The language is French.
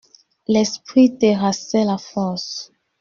L'esprit terrassait la force.